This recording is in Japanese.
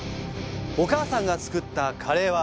お母さんが作ったカレーは。